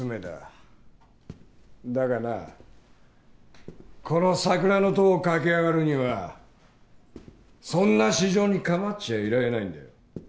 だがなこの桜の塔を駆け上がるにはそんな私情に構っちゃいられないんだよ。